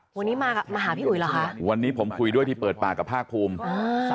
วันนี้มาหาพี่อุ๋ยเหรอคะวันนี้ผมคุยด้วยที่เปิดปากกับภาคภูมิอ่า